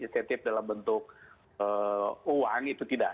insentif dalam bentuk uang itu tidak